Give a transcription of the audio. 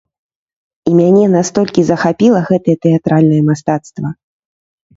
І мяне настолькі захапіла гэтае тэатральнае мастацтва!